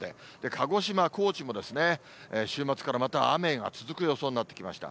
鹿児島、高知も週末から、また雨が続く予想になってきました。